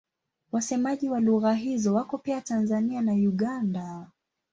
Wasemaji wa lugha hizo wako pia Tanzania na Uganda.